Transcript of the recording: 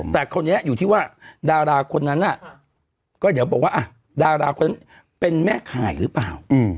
แต่คราวนี้อยู่ที่ว่าดาราคนนั้นก็เดี๋ยวบอกว่าดาราคนนั้นเป็นแม่ข่ายหรือเปล่า